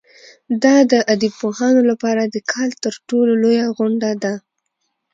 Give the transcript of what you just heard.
دا د ادبپوهانو لپاره د کال تر ټولو لویه غونډه ده.